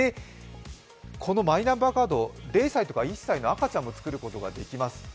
このマイナンバーカード、０歳や１歳の赤ちゃんも作ることができます。